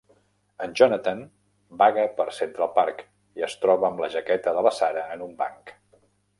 El Jonathan vaga per Central Park i es troba amb la jaqueta de la Sara en un banc.